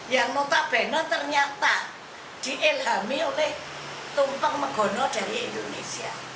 yang notabene ternyata diilhami oleh tumpeng megono dari indonesia